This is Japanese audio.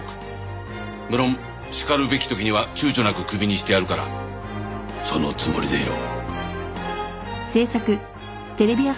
無論しかるべき時には躊躇なくクビにしてやるからそのつもりでいろ。